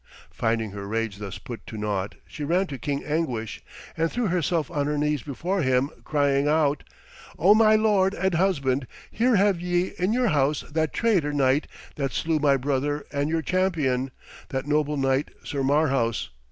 Finding her rage thus put to naught, she ran to King Anguish, and threw herself on her knees before him, crying out: 'Oh, my lord and husband, here have ye in your house that traitor knight that slew my brother and your champion, that noble knight, Sir Marhaus.